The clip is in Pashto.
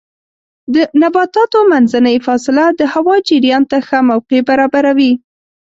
د نباتاتو منځنۍ فاصله د هوا جریان ته ښه موقع برابروي.